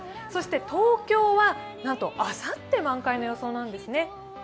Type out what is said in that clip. そして東京は、なんとあさって満開の予想なんですね。